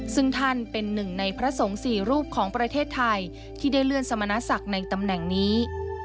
ซึ่งท่านเป็นหนึ่งในพระสงฆ์สี่รูปของประเทศไทยที่ได้เลื่อนสมณศักดิ์ในตำแหน่งนี้